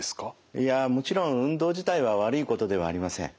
いやもちろん運動自体は悪いことではありません。